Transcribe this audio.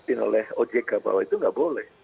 di oleh ojk bahwa itu nggak boleh